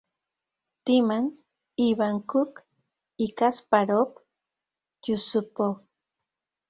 Timman-Ivanchuk y Kasparov-Yusupov.